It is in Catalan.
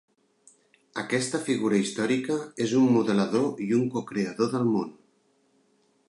Aquesta figura històrica és un modelador i un cocreador del món.